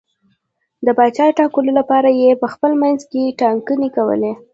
د پاچا ټاکلو لپاره یې په خپل منځ کې ټاکنې کولې.